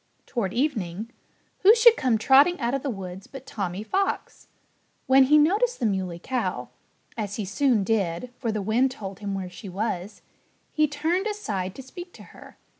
Toward evening, who should come trotting out of the woods but Tommy Fox. When he noticed the Muley Cow (as he soon did, for the wind told him where she was) he turned aside to speak to her.